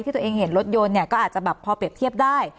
ตัวเองเห็นรถยนต์เนี่ยก็อาจจะแบบพอเปรียบเทียบได้